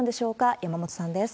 山本さんです。